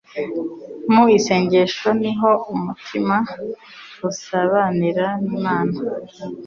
Mu isengesho ni ho umutima usabanira n'Imana.